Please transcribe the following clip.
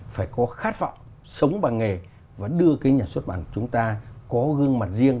phải có khát vọng sống bằng nghề và đưa cái nhà xuất bản của chúng ta có gương mặt riêng